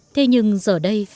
thế nhưng giờ đây